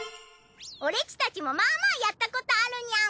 オレっちたちもまあまあやったことあるニャン。